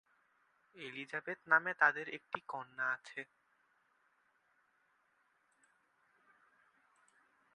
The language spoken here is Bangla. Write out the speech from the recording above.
এলিজাবেথ নামে তাদের এক কন্যা আছে।